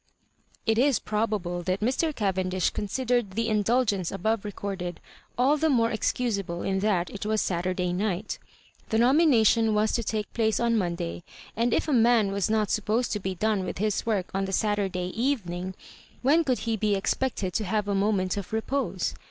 It is probable that Mr. Oayendish considered the indulgence aboye recorded all the more ex cusable in that it was Saturday night The nomination was to take place on Monday, and if a man was not to be supposed to be done with his work on the Saturday eyening, when could he .be expected to haye a moment of re pose?